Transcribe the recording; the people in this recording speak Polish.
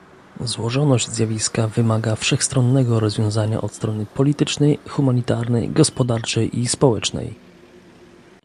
Złożoność zjawiska wymaga wszechstronnego rozwiązania od strony politycznej, humanitarnej, gospodarczej i społecznej